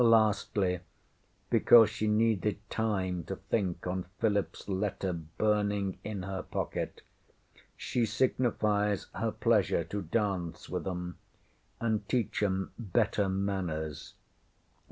Lastly, because she needed time to think on PhilipŌĆÖs letter burning in her pocket, she signifies her pleasure to dance with ŌĆśem and teach ŌĆśem better manners.